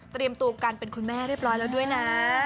ตัวกันเป็นคุณแม่เรียบร้อยแล้วด้วยนะ